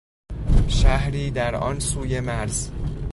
شهری در آن سوی مرز